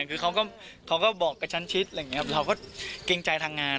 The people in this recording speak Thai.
หรือเขาก็บอกกับชั้นชิดเราก็เกรงใจทางงาน